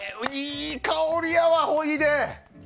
いい香りやわ、ほいで。